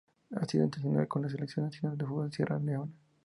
Ha sido internacional con la Selección nacional de fútbol de Sierra Leona.